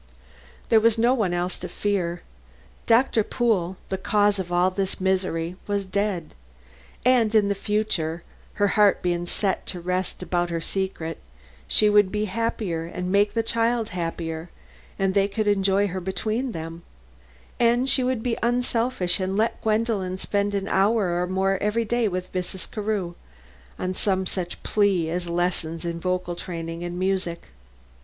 There was no one else to fear. Doctor Pool, the cause of all this misery, was dead; and in the future, her heart being set to rest about her secret, she would be happier and make the child happier, and they could enjoy her between them, and she would be unselfish and let Gwendolen spend an hour or more every day with Mrs. Carew, on some such plea as lessons in vocal training and music.